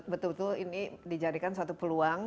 betul betul ini dijadikan suatu peluang